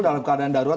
dalam keadaan darurat